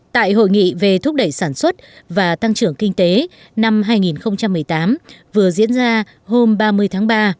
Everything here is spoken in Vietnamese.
tại hội nghị về thúc đẩy sản xuất và tăng trưởng kinh tế năm hai nghìn một mươi tám vừa diễn ra hôm ba mươi tháng ba